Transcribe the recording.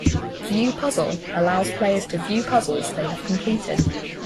"View Puzzle" allows players to view puzzles they have completed.